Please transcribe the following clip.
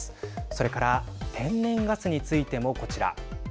それから天然ガスについてもこちら。